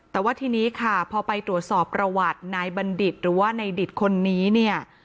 แต่ว่าทีนี้ค่ะพอไปตรวจสอบประวัตินายบัณฑิตหรือว่าในดิตคนนี้เนี่ย